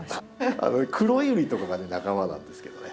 クロユリとかがね仲間なんですけどね。